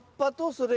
それ！